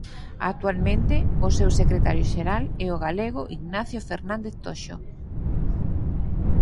Actualmente o seu secretario xeral é o galego Ignacio Fernández Toxo.